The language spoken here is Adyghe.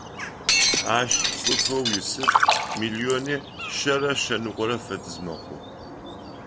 Ащ цӏыфэу исыр миллиони шъэрэ шъэныкъорэ фэдиз мэхъу.